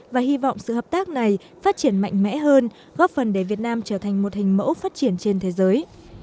và hy vọng sự hợp tác này phát triển mạnh mẽ hơn góp phần để việt nam trở thành một hình mẫu phát triển trên thế giới